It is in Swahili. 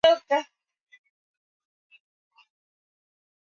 Faida ni muhimu katika biashara